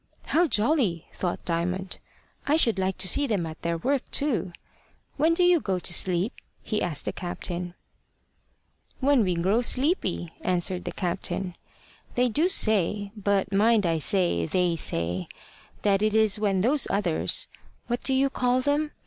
"How jolly!" thought Diamond. "I should like to see them at their work too. When do you go to sleep?" he asked the captain. "When we grow sleepy," answered the captain. "They do say but mind I say they say that it is when those others what do you call them?